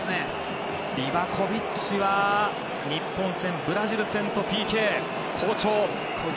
リバコビッチは日本戦、ブラジル戦とＰＫ好調。